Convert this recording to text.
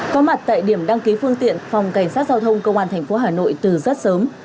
có mặt tại điểm đăng ký phương tiện phòng cảnh sát giao thông công an tp hà nội từ rất sớm